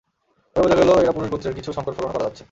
পরে বোঝা গেল এরা পুরুষ গোত্রের, কিছু শংকর ফলনও করা যাচ্ছে।